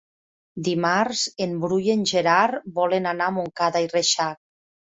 Dimarts en Bru i en Gerard volen anar a Montcada i Reixac.